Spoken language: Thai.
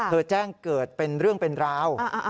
แจ้งเกิดเป็นเรื่องเป็นราว